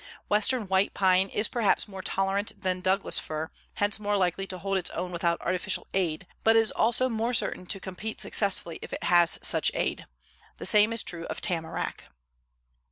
Western white pine is perhaps more tolerant than Douglas fir, hence more likely to hold its own without artificial aid, but is also more certain to compete successfully if it has such aid. The same is true of tamarack.